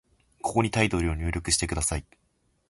ここにタイトルを入力してください。